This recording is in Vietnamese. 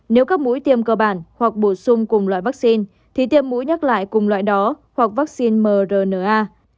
nếu các mũi tiêm cơ bản hoặc bổ sung cùng loại vắc xin thì tiêm mũi nhắc lại cùng loại đó hoặc vắc xin mrna